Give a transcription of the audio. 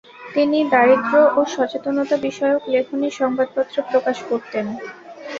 তিনি দারিদ্র্য ও সচেতনতা বিষয়ক লেখনি সংবাদপত্রে প্রকাশ করতেন।